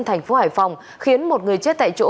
thành phố hải phòng khiến một người chết tại chỗ